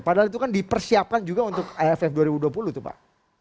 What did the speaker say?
padahal itu kan dipersiapkan juga untuk iff dua ribu dua puluh tuh pak